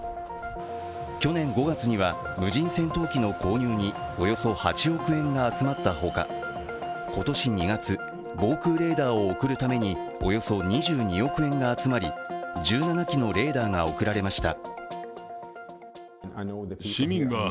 去年５月には無人戦闘機の購入におよそ８億円が集まったほか、今年２月防空レーダーを送るためにおよそ２２億円が集まり１７基のレーダーが贈られました。